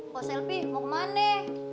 bu selby mau ke mana